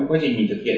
có cái lúc kết